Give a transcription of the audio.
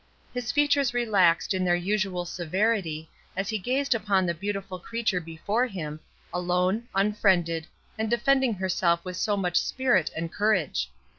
His features relaxed in their usual severity as he gazed upon the beautiful creature before him, alone, unfriended, and defending herself with so much spirit and courage.